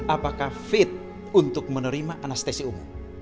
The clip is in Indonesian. apakah fit untuk menerima anestesi umum